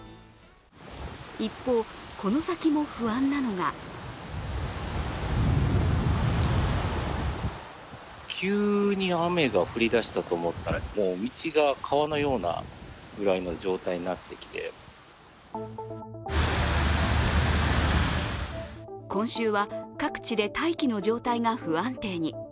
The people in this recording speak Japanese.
一方、この先も不安なのが今週は各地で大気の状態が不安定に。